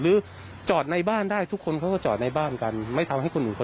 หรือจอดในบ้านได้ทุกคนเขาก็จอดในบ้านกัน